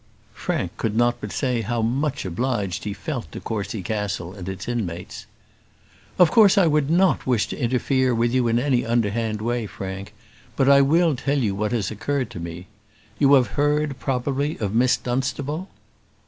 Frank could not but say how much obliged he felt to Courcy Castle and its inmates. "Of course I would not wish to interfere with you in any underhand way, Frank; but I will tell you what has occurred to me. You have heard, probably, of Miss Dunstable?"